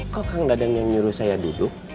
kok kang dadan yang nyuruh saya duduk